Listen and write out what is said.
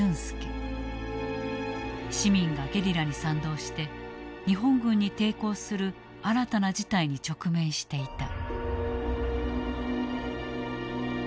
市民がゲリラに賛同して日本軍に抵抗する新たな事態に直面していた。